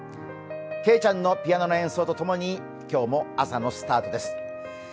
けいちゃんのピアノの演奏と共に今日も朝のスタートです。